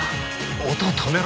音止めろ。